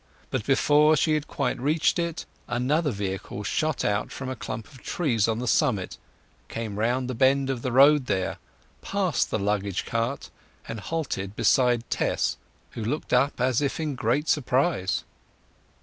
But before she had quite reached it another vehicle shot out from a clump of trees on the summit, came round the bend of the road there, passed the luggage cart, and halted beside Tess, who looked up as if in great surprise.